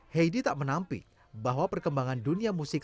heidi tak menampik bahwa perkembangan dunia musik